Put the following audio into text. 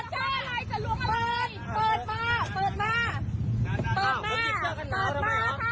เจ้าเวลาคู่เจ้าเวลา